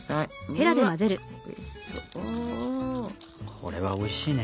これはおいしいね。